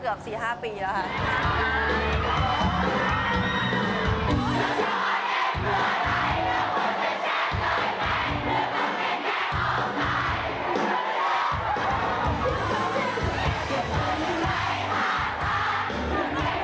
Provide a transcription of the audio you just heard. เพราะเธอเป็นฮาร์ดไม่รู้ว่าทำไง